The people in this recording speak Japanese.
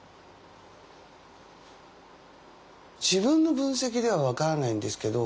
自分の分析では分からないんですけど